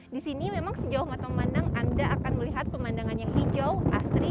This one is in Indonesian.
di sini memang sejauh mata memandang anda akan melihat pemandangan yang hijau asri